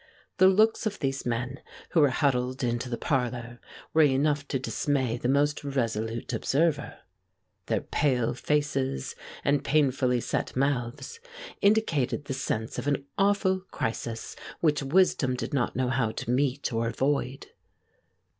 The looks of these men, who were huddled into the parlor, were enough to dismay the most resolute observer. Their pale faces and painfully set mouths indicated the sense of an awful crisis which wisdom did not know how to meet or avoid.